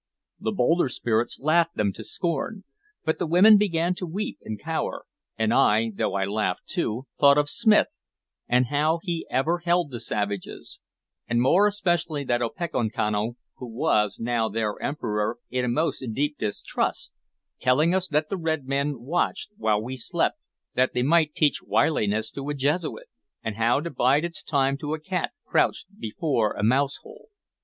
The bolder spirits laughed them to scorn, but the women began to weep and cower, and I, though I laughed too, thought of Smith, and how he ever held the savages, and more especially that Opechancanough who was now their emperor, in a most deep distrust; telling us that the red men watched while we slept, that they might teach wiliness to a Jesuit, and how to bide its time to a cat crouched before a mousehole.